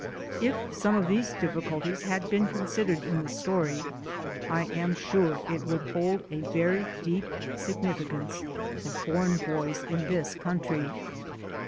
If some of those difficulties had been considered in the story, I am sure it would hold a very deep significance for foreign boys in this coun try.